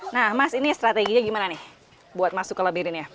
nah mas ini strateginya gimana nih buat masuk ke labirin ya